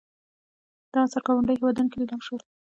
دا اثار ګاونډیو هېوادونو کې لیلام شول.